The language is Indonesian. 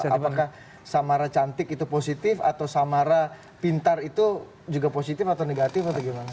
apakah samara cantik itu positif atau samara pintar itu juga positif atau negatif atau gimana